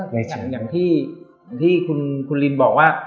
อย่างที่คุณลินบอกว่า